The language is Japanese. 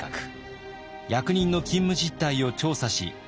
役人の勤務実態を調査し汚職を撲滅。